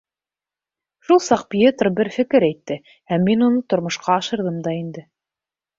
Шул саҡ Пьетро бер фекер әйтте, һәм мин уны тормошҡа ашырҙым да инде.